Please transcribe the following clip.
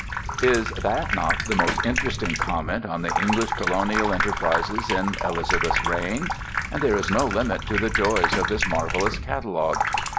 Is that not the most interesting comment on the English colonial enterprises in Elizabeth's reign? And there is no limit to the joys of this marvellous catalogue.